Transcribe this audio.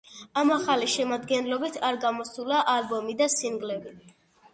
ამ ახალი შემადგენლობით არ გამოსულა ალბომი და სინგლები.